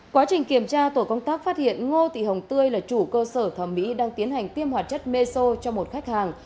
quá trình kiểm tra tổ công tác phát hiện ngô tị hồng tươi là chủ cơ sở thẩm mỹ đang tiến hành tiêm hoạt chất meso cho một khách hàng